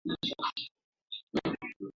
Ukuaji wa Biashara